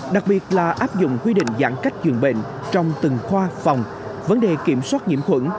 đặc biệt là áp dụng quy định giãn cách dường bệnh trong từng khoa phòng vấn đề kiểm soát nhiễm khuẩn